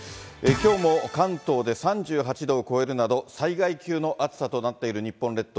きょうも関東で３８度を超えるなど、災害級の暑さとなっている日本列島。